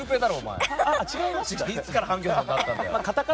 いつからハンギョドンになったんだよ！